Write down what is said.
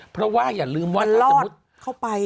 เพราะว่าอย่าลืมว่าถ้าสมมติ